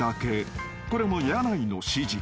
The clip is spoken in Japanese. ［これも箭内の指示］